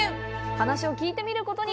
話を聞いてみることに。